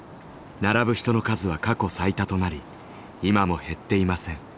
並ぶ人の数は過去最多となり今も減っていません。